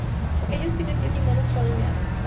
Ellos tienen pies y manos palmeadas.